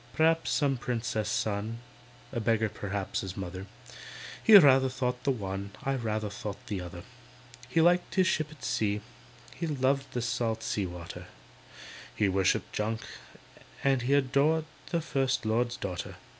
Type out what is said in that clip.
P'r'aps some Princess's son— A beggar p'r'aps his mother. He rather thought the one, I rather think the other. He liked his ship at sea, He loved the salt sea water, He worshipped junk, and he Adored the First Lord's daughter.